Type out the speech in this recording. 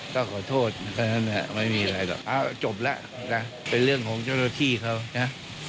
ก็ขอโทษเท่านั้นไม่มีอะไรหรอกอ้าวจบแล้วนะเป็นเรื่องของเจ้าหน้าที่เขานะ